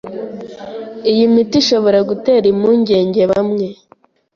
Iyi miti ishobora gutera impungenge bamwe